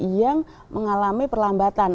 yang mengalami perlambatan